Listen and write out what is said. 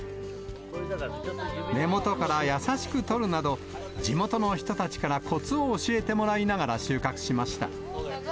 根元から優しく採るなど、地元の人たちからコツを教えてもらいながら収穫しました。